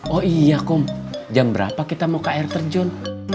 oh iya jam berapa kita mau ke air terjun